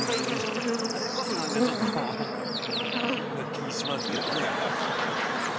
あれこそなんかちょっとな気しますけどね。